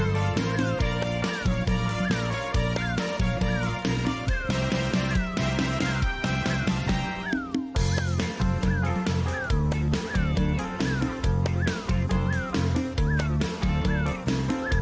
โปรดติดตามตอนต่อไป